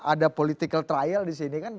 ada political trial di sini kan